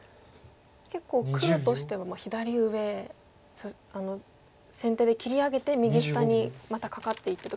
結構黒としては左上先手で切り上げて右下にまたカカっていってと。